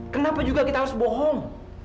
kenapa juga kita harus bohong